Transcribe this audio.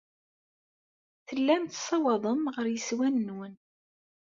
Tellam tessawaḍem ɣer yeswan-nwen.